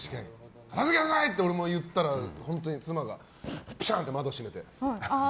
片付けなさい！って俺が言ったら妻がぴしゃんって窓閉めて。